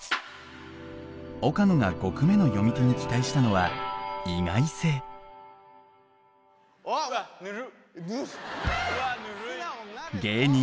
岡野が５句目の詠み手に期待したのはわっぬるっ。